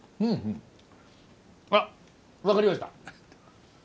あ分かりました。